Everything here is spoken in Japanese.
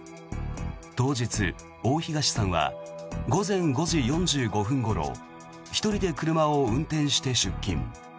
当日、大東さんは午前５時４５分ごろ１人で車を運転して出勤。